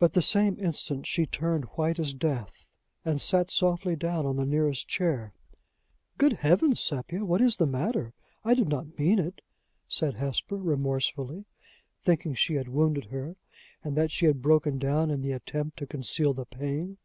But the same instant she turned white as death, and sat softly down on the nearest chair. "Good Heavens, Sepia! what is the matter? I did not mean it," said Hesper, remorsefully, thinking she had wounded her, and that she had broken down in the attempt to conceal the pain.